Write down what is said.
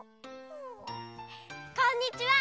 こんにちは！